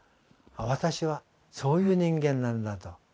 私はそういう人間なんだと。